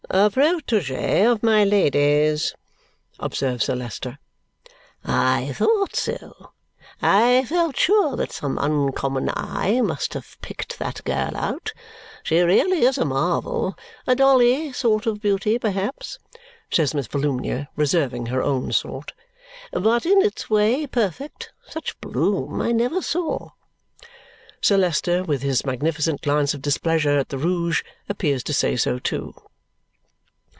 "A PROTEGEE of my Lady's," observes Sir Leicester. "I thought so. I felt sure that some uncommon eye must have picked that girl out. She really is a marvel. A dolly sort of beauty perhaps," says Miss Volumnia, reserving her own sort, "but in its way, perfect; such bloom I never saw!" Sir Leicester, with his magnificent glance of displeasure at the rouge, appears to say so too.